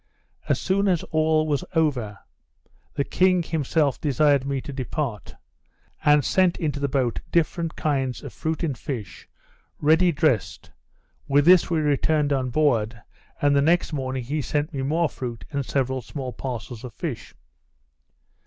As soon as all was over, the king himself desired me to depart; and sent into the boat different kinds of fruit and fish, ready dressed. With this we returned on board; and the next morning he sent me more fruit, and several small parcels of fish.